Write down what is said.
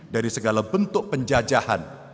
dari segala bentuk penjajahan